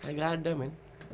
kayak gak ada men